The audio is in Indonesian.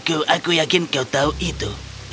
aku aku yakin kau tahu itu